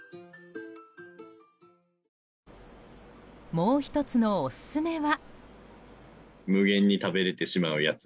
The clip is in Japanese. もう１つのオススメは。